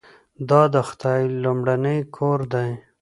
دا د خدای لومړنی کور دی.